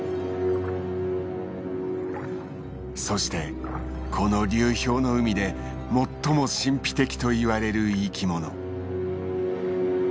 そしてこの流氷の海で最も神秘的と言われる生き物。